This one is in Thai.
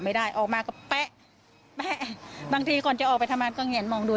ไม่ได้ออกมาก็แป๊ะแป๊ะบางทีก่อนจะออกไปทำงานก็เหียนมองดู